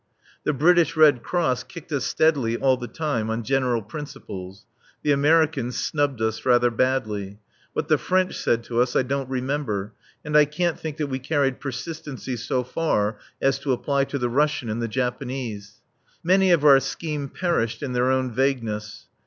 The British Red Cross kicked us steadily all the time, on general principles; the American snubbed us rather badly; what the French said to us I don't remember, and I can't think that we carried persistency so far as to apply to the Russian and the Japanese. Many of our scheme perished in their own vagueness.